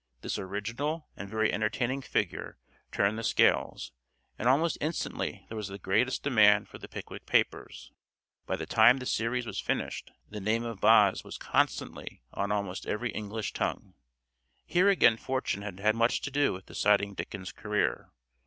This original and very entertaining figure turned the scales, and almost instantly there was the greatest demand for the "Pickwick Papers." By the time the series was finished the name of "Boz" was constantly on almost every English tongue. Here again fortune had had much to do with deciding Dickens' career.